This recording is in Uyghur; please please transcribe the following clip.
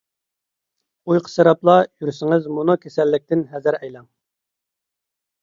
ئۇيقۇسىراپلا يۈرسىڭىز مۇنۇ كېسەللىكتىن ھەزەر ئەيلەڭ.